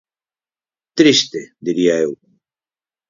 Triste, diría eu.